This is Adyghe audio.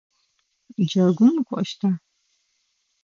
Джэгум укӏощта?